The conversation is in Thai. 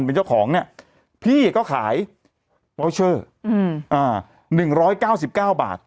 เป็นเจ้าของเนี้ยพี่ก็ขายอืมอ่าหนึ่งร้อยเก้าสิบเก้าบาท